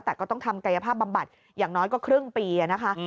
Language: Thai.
แต่ก็ต้องทำกายภาพบำบัดอย่างน้อยก็ครึ่งปีนะคะ